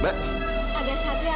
mbak panggil dia